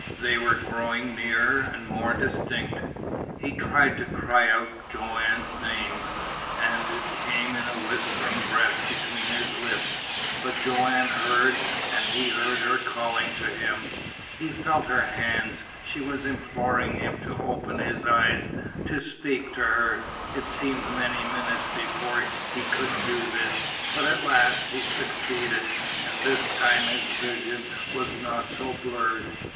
They were growing nearer and more distinct. He tried to cry out Joanne's name, and it came in a whispering breath between his lips. But Joanne heard; and he heard her calling to him; he felt her hands; she was imploring him to open his eyes, to speak to her. It seemed many minutes before he could do this, but at last he succeeded. And this time his vision was not so blurred.